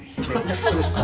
そうですか。